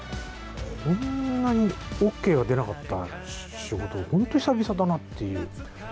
こんなにＯＫが出なかった仕事は、本当に久々だなっていう。